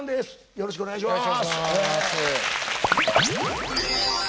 よろしくお願いします。